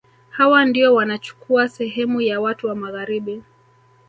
Hawa ndio wanachukua sehemu ya watu wa Magharibi